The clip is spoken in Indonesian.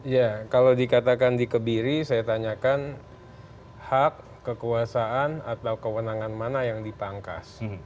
ya kalau dikatakan dikebiri saya tanyakan hak kekuasaan atau kewenangan mana yang dipangkas